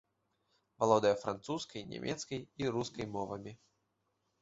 Валодае французскай, нямецкай і рускай мовамі.